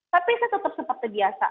tapi saya tetap sempat terbiasa